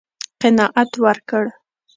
قناعت ورکړ.